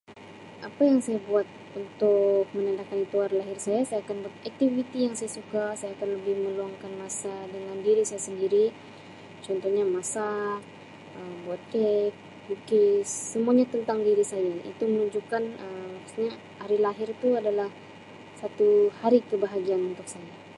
Apa yang saya buat untuk menandakan itu hari lahir saya-saya akan buat aktiviti yang saya suka saya akan lebih meluangkan masa dengan diri saya sendiri contohnya masak, Um buat kek, melukis semuanya tentang diri saya itu menunjukkan Um maksudnya hari lahir tu adalah satu hari kebahagiaan untuk saya.